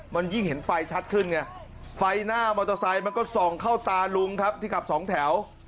มันยิ่งเห็นไฟชัดขึ้นไงไฟหน้ามอเตอร์ไซค์มันก็ส่องเข้าตาลุงครับที่ขับสองแถว